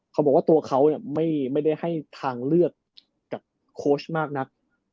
เขาบอกว่าตัวเขาไม่ได้ให้ทางเลือกกับโค้ชมากนัก